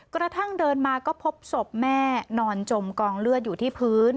กระทั่งเดินมาก็พบศพแม่นอนจมกองเลือดอยู่ที่พื้น